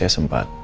kemarin saya sempat